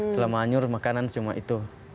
selama anyur makanan cuma itu